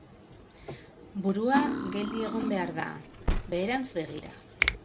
Burua geldi egon behar da, beherantz begira.